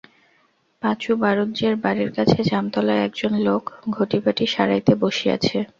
পাঁচু বাঁড়ুজ্যের বাড়ির কাছে জামতলায় একজন লোক ঘটিবাটি সারাইতে বসিয়াছে।